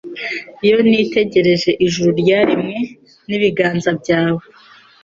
Iyo nitegereje ijuru ryaremwe n’ibiganza byawe